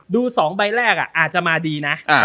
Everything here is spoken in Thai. ดู๒ใบแรกอาจจะมาดีนะ